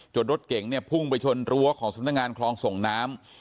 รถเก่งเนี่ยพุ่งไปชนรั้วของสำนักงานคลองส่งน้ำ